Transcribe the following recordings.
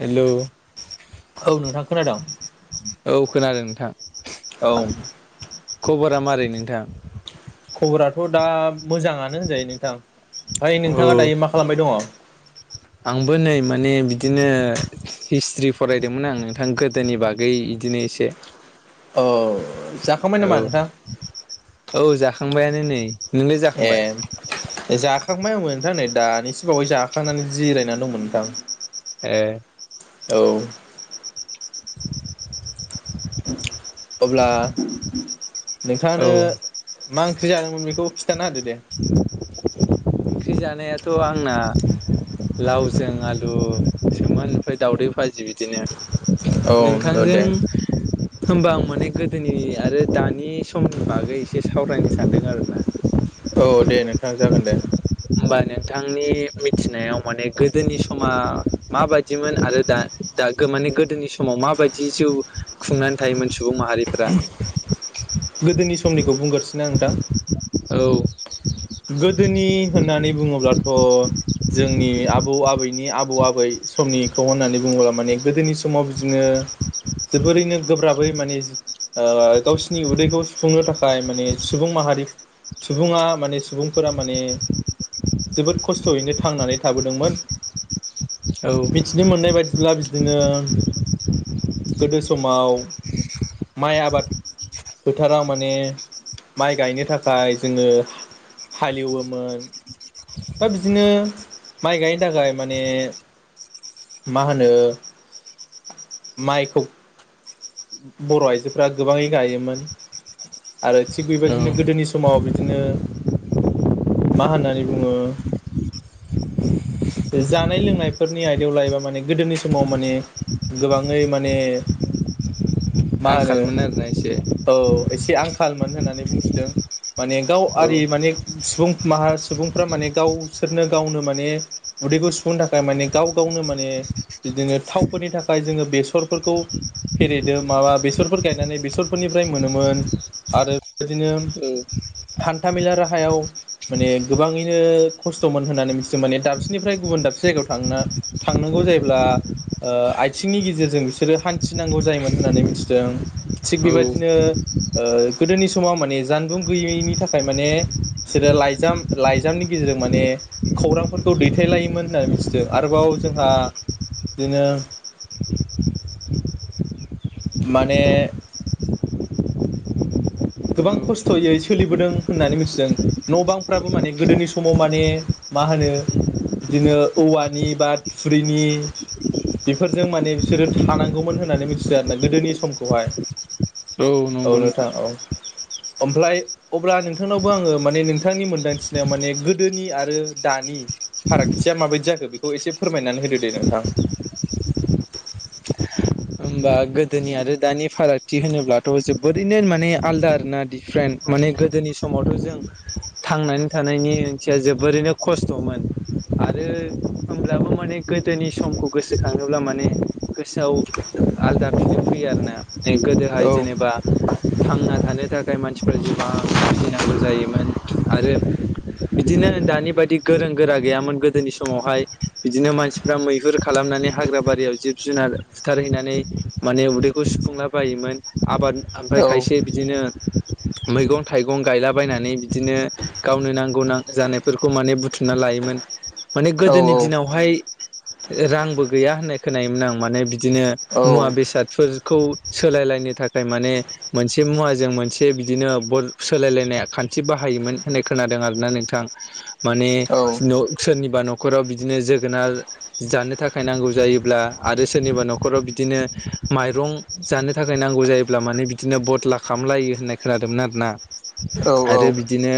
Hello ओं नोंथां खोनादों औ खोनादों नोंथां औ दा मारै नोंथां खबराथ' दा मोजाङानो होनजायो नोंथां ओमफ्राय औ नोंथाङा दायो मा खालामबाय दङ? आंबो नै माने बिदिनो हिस्ट्रि फरायदोंमोन आं नोंथां गोदोनि बागै इदिनो एसे औ जाखांबाय औ नामा नोंथां औ औ जाखांबायानो नै नोंलाय जाखांबाय जाखांबायमोन नोंथां नै दानिसो बावै जाखांनानै जिरायनानै दंमोन नोंथां ए औ अब्ला औ नोंथाङानो मा ओं- ख्रि जादोंमोन बेखौ खिथाना होदो दे ओंख्रि जादो संनायाथ आंना लावजों आलु सोमोन ओमफ्राय दावदै भाजि बिदिनो औ औ नोंथांजों दे होमबा आं माने गोदोनि आरो दानि समनि बागै एसे सावरायनो सानदों आरोना औ दे नोंथां जागोन दे होमबा नोंथांनि मिथिनायाव माने गोदोनि समा माबायदिमोन आरो दा दा गोमानि गोदोनि समाव माबायदि जिउ खुंनानै थायोमोन सुबुं माहारिफोरा गोदोनि समनिखौ बुंग्रोसैना नोंथां औ गोदोनि होननानै बुङोब्लाथ जोंनि आबौ आबैनि आबौ आबै समनि [unintelligible] होननानै बुङोब्ला माने गोदोनि समाव बिदिनो जोबोरैनो गोब्राबै माने ओ गावसि नि उदैखौ सुफुंनो थाखाय माने सुबुं माहारि सुबुङा माने सुबुंफोरा माने जोबोद खस्थयैनो थांनानै थाबोदोंमोन औ ब्ला बिदिनो गोदो समाव माइ आबाद फोथाराव माने माइ गायनो थाखाय जोङो हाल एवोमोन दा बिदिनो माइ गायनो थाखाय माने मा होनो माइखौ बर आइजोफोरा गोबाङै गायो मोन आरो थिग औ बेबायदिनो गोदोनि समाव बिदिनो मा होननानै बुङो [inaudible] जानाय लोंनायफोरनि आयदायाव लायोबा माने गोदोनि समाव माने गोबाङै माने [inaudible] मा होनो आंखालमोन आरोना एसे औ एसे आंखालमोन होननानै बुंथिदों माने गाव औ आरि माने सुबुं माहा सुबुंफ्रा माने गावसोरनो गावनो माने उदैखौ सुफुंनो थाखाय माने गाव गावनो माने बिदिनो थावफोरनि थाखाय जोङो बेसरफोरखौ फेरेदो माबा बेसरफोर गायनानै बेसर फोरनिफ्राय मोनोमोन आरो बेबायदिनो हान्थामेला राहायाव माने गोबाङैनो खस्थमोनहोनानै बिसोर माने दाबसेनिफ्राय गुबुन दाबसे जायगायाव थांना थांनांगौ [unintelligible] जायोब्ला ओ आथिंनि गेजेरजों बिसोरो हान्थिनांगौ जायोमोन होननानै मिथिदों थिग औ बेबायदि दिनो गोदोनि समाव माने जानबुं गैयैनि थाखाय माने बिसोरो लाइजाम लाइजामनि गेजेरजों माने खौरांफोरखौ दैथायलायोमोन होननानै मिथिदों आरोबाव जोंहा बिदिनो [inaudible] माने [inaudible] गोबां औ खस्थयै सोलिबोदों होननानै मिथिदों न बांफ्राबो माने गोदोनि समाव माने मा होनो बिदिनो औवानि बा थुरिनि बेफोरजों माने बिसोरो थानांगौमोन होननानै मिथियो आरो ना गोदोनि समखौहाय औ नंगौ नोंथां [inaudible] ओमफ्राय अब्ला नोंथांनावबो आङो माने नोंथांनि मोनदांथिनायाव माने गोदोनि आरो दानि फारागथिया माबायदि जाखो बेखौ एसे फोरमायनानै होदो दे नोंथां [inaudible] होनबा गोदोनि आरो दानि फारागथि होनोब्लाथ' जोबोरैनो माने आलदा आरोना दिफारेन्ट माने गोदोनि समावथ' जों थांनानै थानायनि ओंथिया जोबोरैनो खस्थमोन आरो [unintelligible] होमब्लाबो माने गोदोनि समखौ गोसोखाङोब्ला माने गोसोआव आलादा बिदिनो फैयो आरोना ने औ गोदोहाय जेनेबा थांना थानो थाखाय मानसिफ्रा जोबां जुजिनांगौ जायोमोन आरो बिदिनो दानि बायदि गोरों गोरा गैयामोन गोदोनि समावहाय बिदिनो मानसिफ्रा मैहुर खालाम नानै हाग्रा बारियाव जिब जुनार सिथारहैना नै माने उदैखौ सुफुंलाबायोमोन आबाद ओमफ्राय औ खायसे बिदिनो मैगं थाइगं गायलाबायनानै बिदिनो गावनो नांगौ नांगौ जानायफोरखौ माने बुथुम थुमना लायोमोन माने औ गोदोनि दिनावहाय रांबो गैया होननाय खोनायोमोन आं माने बिदिनो औ मुवा बेसादफोरखौ सोलायलायनो थाखाय माने मोनसे मुवाजों मोनसे बिदिनो सोलायलायनाय खान्थि बाहायोमोन होननाय खोनादों आरोना नोंथां माने औ नं सो सोरनिबा न'खराव बिदिनो जोगोनार जानो थाखाय नांगौ जायोब्ला आरो सोरनिबा न'खराव बि दिनो माइरं जानो थाखाय नांगौ जायोब्ला माने बिदिनो बदला खालामलायो होननाय खोनादोंमोन आरो ना औ आरो बिदिनो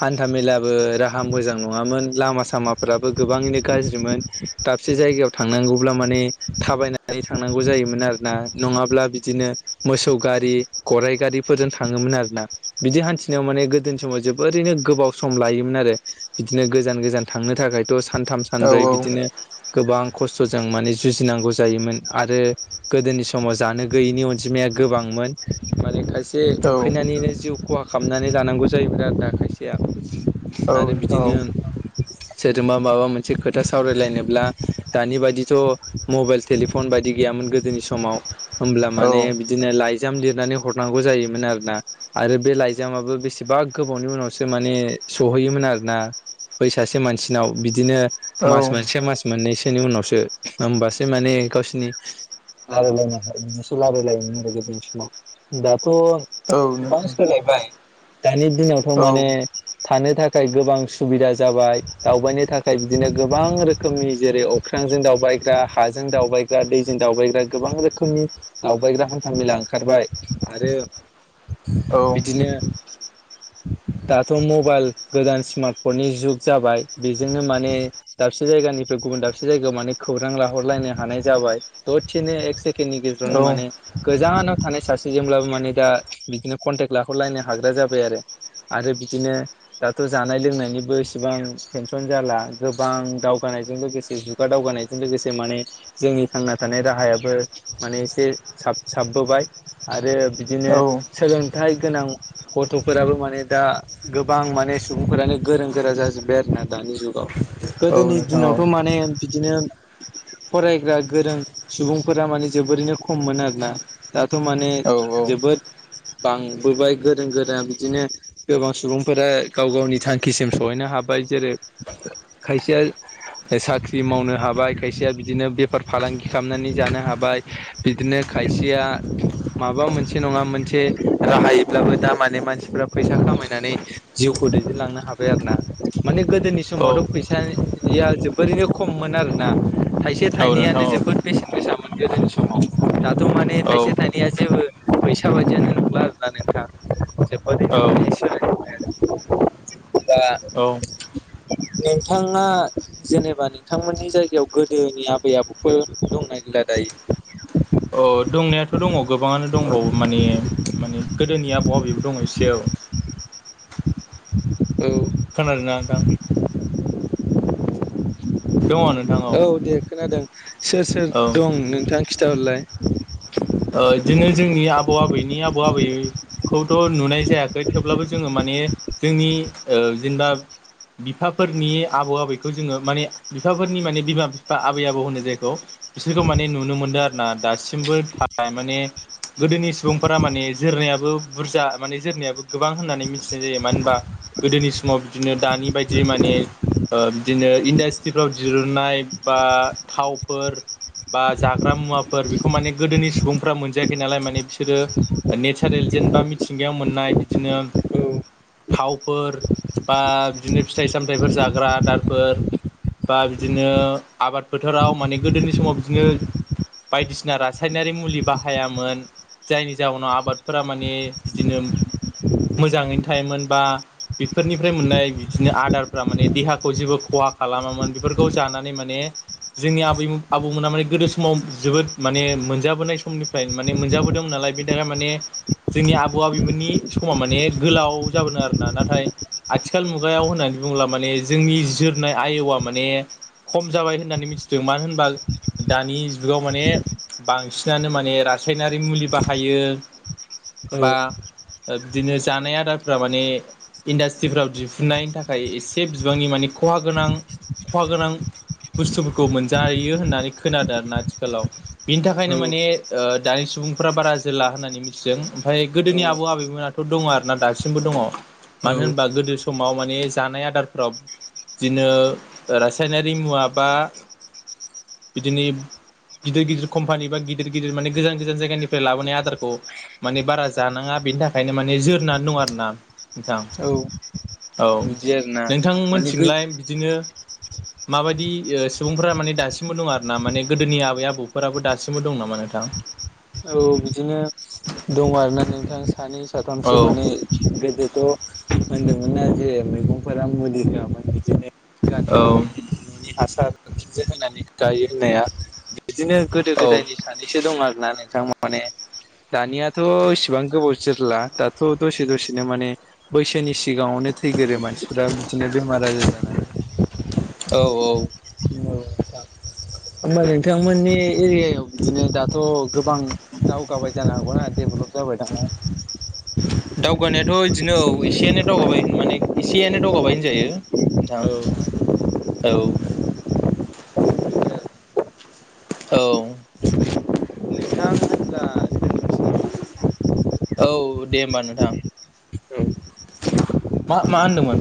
हान्था मेलाबो राहा मोजां नङामोन लामा सामा फ्राबो गोबाङैनो गाज्रिमोन दाबसे जायगायाव थांनांगौब्ला माने थाबायनानै थांनांगौ जायोमोन आरो ना नङाब्ला बिदिनो मोसौ गारि, गराइ गारिफोरजों थाङोमोन आरो ना बिदि हान्थिनायाव माने गोदोनि समाव जोबोरैनो गोबाव सम लायोमोन आरो बिदिनो गोजान गोजान थांनो थाखायथ' सानथाम, औ सानब्रै बिदिनो गोबां खस्थ'जों माने जुजिनांगौ जायोमोन आरो गोदोनि समाव जानो गैयिनि अनजिमाया गोबांमोन माने खाय से उखैनानैनो जिउ खहा खालामनानै लानांगौ जायोमोन आरो ना खायसेया आरो बिदिनो सोरजोंबा माबा मोनसे खोथा सावरायलायनोब्ला दानि बायदिथ' मबाइल, टिलि फन बायदि गैयामोन गोदोनि समाव होमब्ला औ माने बिदिनो लाइजाम लिरनानै हरनांगौ जायोमोन आरोना आरो बे लाइजामाबो बेसेबा गोबावनि उनावसो माने सहैयोमोन आरोना बै सासे मानसिनाव बिदिनो औ मास मोनसे, मास मोननैसोनि उनावसो होमबासो माने गावसो नि लाबोलायोमोन गोदोनि समाव दा थ' औ गोबां नोंथां सोलायबाय दानि दिनावथ' औ माने थानो थाखाय गोबां सुबिदा जाबाय, दावबायनो थाखाय बिदिनो गोबां रोखोमनि जेरै अख्रां जों दावबायग्रा, हाजों दावबायग ग्रा दैजों दावबायग्रा गोबां रोखोमनि दावबायग्रा हान्थ मेला ओंखारबाय आरो औ बिदिनो दाथ' मबाइल गोदान स्मार्टफननि जुग जाबाय बेजोंनो माने दाबसे जाय जायगानिफ्राय गुबुन दाबसे जायगायाव माने खौरां लाहरलायनो हानाय जाबाय दसेनो एक सेकेण्डनि गेजेरावनो औ माने गोजानाव थानाय सासेजोंब्लाबो माने दा बिदिनो कनटेक लाहरलायनो हाग्रा जाबाय आरो आरो बिदिनो दाथ' जानाय लोंनायनिबो इसेबां टेनसन जाला गोबां दावगानायजों लोगोसे जुगा दावगानायजों लोगोसे माने जोंनि थांना थानाय राहायाबो माने एसे साब-साबबोबाय आरो बिदिनो औ सोलोंथाइ गोनां गथ'फोराबो माने दा गोबां माने सुबुंफोरानो गोरों गोरा जाजोबबाय आरोना दानि जुगाव औ गोदोनि नोंथां औ दिनावथ' माने बिदिनो फरायग्रा गोरों सुबुंफोरा माने जोबोरैनो खममोन आरोना दाथ' माने औ जोबोद बांबोबाय गोरों गोरा बिदिनो गोबां सुबुंफोरा गाव-गावनि थांखिसिम सहैनो हाब बाय जेरै खायसेया साख्रि मावनो हाबाय खायसेया बि दिनो बेफार फालांगि खालामनानै जानो हाबाय बिदिनो खायसेया माबा मोनसे। नङा मोनसे राहायब्लाबो दा माने मानसिफ्रा फैसा खामायनानै जिउखौ दैदेनलांनो हाबाय। इदि आरोना गोदोनि औ समावथ' फैसानिया जोबोरैनो खममोन आरोना थाय से औ थाइनैयानो नोंथां औ जोबोद बेसेन गोसाामोन गोदोनि समाव दाथ' माने औ थाइसे थाइनैया जेबो। फैसा बायदियानो नंला आरोना नोंथां जोबोदैनो औ मोनसे सोलाय ओ आ। औ नोंथाङा जेनेबा नोंथांमोननि जायगायाव गोदोनिया आ बै आबौफोर दंना गैला दायो? अ दंनायाथ' दङ गोबाङानो दंबावो माने माने गोदोनि आबौ आबैबो दङ एसे औ। दायो खोनादों ना नोंथां। दङ नोंथां औ। जादों सोर सोर औ दं नोंथाङा खिथाहरलाय। ओ इदिनो जोंनि आबौ आबैनि आबौ आबैखौथ' नुनाय जायाखै थेवब्लाबो जोङो माने जोंनि ओ जेनेबा बिफाफोरनि आबौ आबैखौ जोङो माने बिफाफोरनि माने बिमा बिफा आबै आबौ होनो जायखौ। बिसोरखौ माने नुनो मोनदों आरो ना दासिमबो थानाय माने। गोदोनि सुबुंफोरा माने जोरनायाबो बुरजा माने जोरनायाबो गोबां होननानै मिथिनाय जायो मानो होनबा। गोदोनि समाव बिदिनो दानि बायदि माने। ओ बिदिनो इन्डास्ट्रिफ्राव दिरुननाय बा थावफोर। बा जाग्रा मुवाफोर बेखौ माने गोदोनि सु। बुंफ्रा मोनजायाखै नालाय माने बिसोरो नेचारेल जेनेबा मिथिंगायाव मोननाय बिदिनो। औ थावफोर बा बिदिनो फिथाइ सामथाइफोर जाग्रा आदारफोर। बा बिदिनो आबाद फोथाराव माने गोदोनि समाव बिदिनो। बायदिसिना रासायनारि मुलि। बाहायामोन जायनि जाहोनाव आबादफोरा माने बिदिनो। मोजाङैनो थायोमोन बा बेफोरनिफ्राय मोननाय बिदिनो आदारफ्रा माने देहाखौ जेबो ख। हा खालामामोन बेफोरखौ जानानै माने। जोंनि आबै आबौमोना माने गोदो समाव जोबोद माने मोनजाबोनाय सम। समनिफ्राय माने मोनजाबोदोंमोन नालाय बेनि थाखाय माने। जोंनि आबौ आबैमोननि समा माने गोलाव जाबोदों आर ना नाथाय आथिखाल मुगायाव होनाय। बुंला माने जोंनि जोरनाय आय'आ माने। खम जाबाय होननानै मिथिदों मानो होनबा दानि जुगाव माने बांसिन। नानो माने रासायनारि मुलि बाहायो। औ। ओ बिदिनो जानाय आदारफ्रा माने। इन्डास्ट्रिफ्राव दिहुननायनि थाखाय एसे बिबांनि माने खहा गोनां खहा गोनां। बुस्थुफोरखौ मोनजैायो होननानै खोनादों आरोना आथिखालाव बेनि थाखायनो। माने ओ दानि सुबुंफ्रा बारा जोरला होननानै मिथिदों आमफाय गोदोनि आबौ आबैमोनथ' दङ आरो ना। दासिमबो दङ मानो होनबा गोदो समाव माने जानाय आदारफोराव। बिदिनो रासायनारि मुवा बा। बिदिनो गिदिर गिदिर कम्पानि बा गि। गिदिर गिदिर माने गोजान गोजान जायगानिफ्राय लाबोनाय आदारखौ माने बारा जानाङा बेनि थाखायनो माने जोरना आरोना नोंथां। [inaudible] औ बिदि आरोना माने गो नोंथांमोनथिंलाय बिदिनो। माबायदि ओ सुबुंफोरा माने दासिमबो दङ आरोना माने गोदोनि आबै आबौफोराबो दासिमबो। दं नामा नोंथां। औ बिदिनो दङ आरोना नोंथां सानै। औ साथामसे माने गोदोथ'। होनदोंमोन आरो जे मैगंफोरा मुलि होआमोन बिदिनो। औ [unintelligible] सिनजो होननानै गायो होननाया बिदिनो गोदो औ गोदायनि सानैसो दं आरोना । [inaudible] दानियाथ' इसेबां गोबाव जोरला दाथ' दसे दसेनो माने बैसोनि सिगाङावनो थैगोरो मानसिफोरा बिदिनो बेमार आजार जानानै। औ औ। औ नोंथां नोंथांमोननि एरियायाव बिदिनो दाथ'। गोबां दावगाबाय जानो हागौना डेभलप जाबाय । दावगानायाथ' बिदिनो औ एसेयानो दावगाबाय माने एसेयानो दावगाबाय होनजायो। नोंथां औ औ। बिदि आरो औ। नोंथां होनब्ला दोनथ'नोसै नामा? औ दे होम्बा नोंथां। औ मा मा होनदोंमोन।